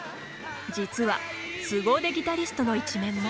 実は、すご腕ギタリストの一面も。